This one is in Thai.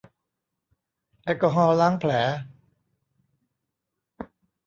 แอลกอฮอล์ล้างแผล